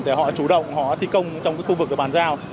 để họ chủ động họ thi công trong khu vực để bàn giao